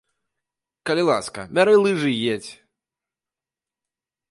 Калі ласка, бяры лыжы і едзь.